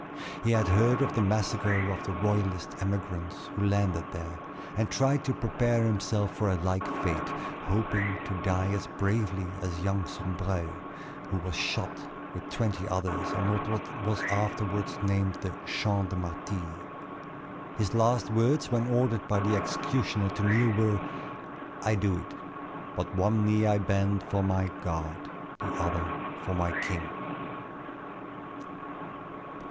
He had heard of the massacre of the royalist emigrants who landed there, and tried to prepare himself for a like fate, hoping to die as bravely as young Sombreuil, who was shot with twenty others on what was afterward named the "Champ des Martyrs." His last words, when ordered by the executioner to kneel, were, "I do it; but one knee I bend for my God, the other for my king."